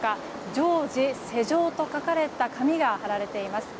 常時施錠と書かれた紙が貼られています。